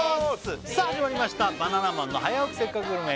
さあ始まりました「バナナマンの早起きせっかくグルメ！！」